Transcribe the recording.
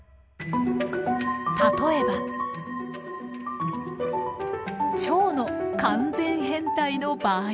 例えばチョウの完全変態の場合。